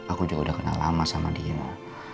aku juga udah kenal lama sama dia